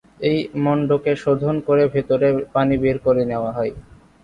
এই মণ্ডকে শোধন করে ভেতরের পানি বের করে নেওয়া হয়।